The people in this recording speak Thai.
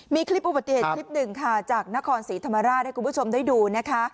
มีคลิปอุบัติเหตุคลิปหนึ่งค่ะจากนครศรีธรรมราชให้คุณผู้ชมได้ดูนะคะ